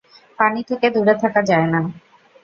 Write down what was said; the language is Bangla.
পানি থেকে দুরে থাকা যায় না?